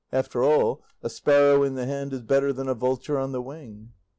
After all, 'a sparrow in the hand is better than a vulture on the wing.